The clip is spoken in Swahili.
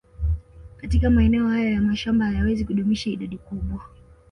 Katika maeneo hayo ya mashamba hayawezi kudumisha idadi kubwa